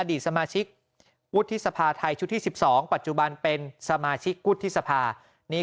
ดีสมาชิกวุฒิสภาไทยชุดที่๑๒ปัจจุบันเป็นสมาชิกวุฒิสภานี่